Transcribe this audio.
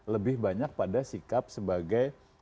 lebih banyak pada sikap sebagai